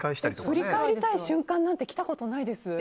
振り返りたい瞬間とか来たことないです。